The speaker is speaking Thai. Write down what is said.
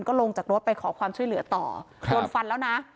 ก็ลงจากรถไปขอความช่วยเหลือต่อโดนฟันแล้วนะ